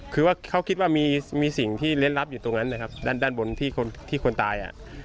คือเขาคิดว่ามีสิ่งที่เล่นลับอยู่ตรงนั้นด้านบนที่คนตาย